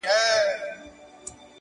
مزل کوم خو په لار نه پوهېږم -